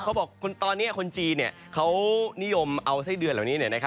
เขาบอกตอนนี้คนจีนเขานิยมเอาไส้เดือนเหล่านี้